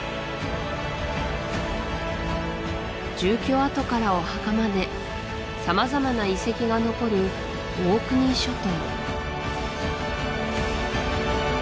住居跡からお墓まで様々な遺跡が残るオークニー諸島